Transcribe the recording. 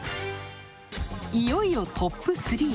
いよいよトップ３。